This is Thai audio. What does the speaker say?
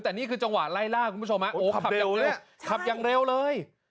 แต่นี่คือจังหวะไล่ล่าคุณผู้ชมฮะโอ้ขับเร็วขับอย่างเร็วเลย